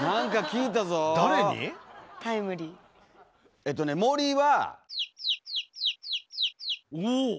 えっとね森はおお！